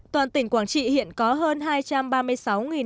toàn tỉnh quảng trị hiện có hơn